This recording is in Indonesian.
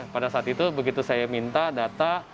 pada saat itu begitu saya minta data